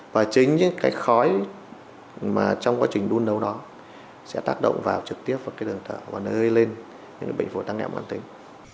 và chính cái khói mà trong quá trình đun nấu đó sẽ tác động vào trực tiếp vào cái đường thở và nơi lên những cái bệnh phổi tăng nghẹn mãn tính